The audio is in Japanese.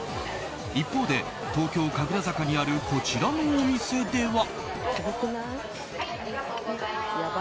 一方で東京・神楽坂にあるこちらのお店では。